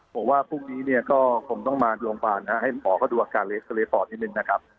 ผมว่าพรุ่งนี้เนี่ยก็คงต้องมาโรงพยาบาลให้หมอเขาดูอาการปอดนิดนึงนะครับ